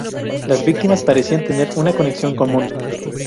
Las víctimas parecían tener una conexión común.